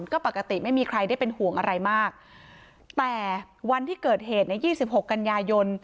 ก็ปกติไม่มีใครได้เป็นห่วงอะไรมากแต่วันที่เกิดเหตุใน๒๖กันยายน